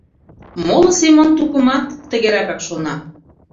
Моло Семен тукымат тыгеракак шона.